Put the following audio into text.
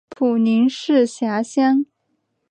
普宁市辖乡。